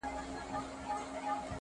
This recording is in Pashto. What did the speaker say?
آشوب نه مې لاس وانخیست